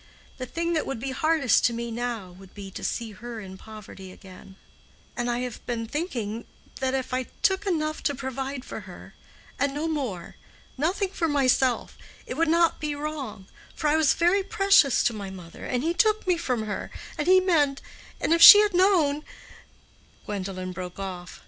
The thing that would be hardest to me now would be to see her in poverty again; and I have been thinking that if I took enough to provide for her, and no more—nothing for myself—it would not be wrong; for I was very precious to my mother—and he took me from her—and he meant—and if she had known—" Gwendolen broke off.